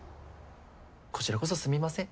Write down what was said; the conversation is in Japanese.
こちらこそすみません